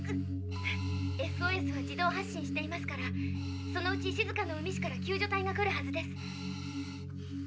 ＳＯＳを自動発信していますからそのうち静かの海市から救助隊が来るはずです。